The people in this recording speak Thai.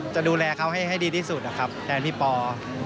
จะดูแลเขาให้ดีที่สุดนะครับแทนพี่ปอ